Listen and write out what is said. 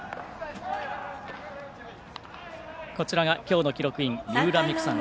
こちらが今日の記録員、三浦未来さん。